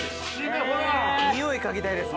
におい嗅ぎたいですね。